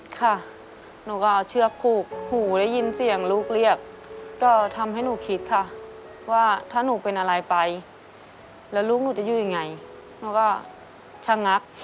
ค่ะหนูก็เอาเชือกผูกหูได้ยินเสียงลูกเรียกก็ทำให้หนูคิดค่ะว่าถ้าหนูเป็นอะไรไปแล้วลูกหนูจะอยู่ยังไงหนูก็ชะงัก